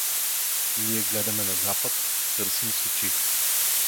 Ние гледаме на запад, търсим с очи.